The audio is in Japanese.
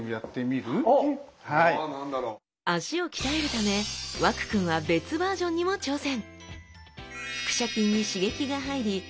脚を鍛えるため和空くんは別バージョンにも挑戦！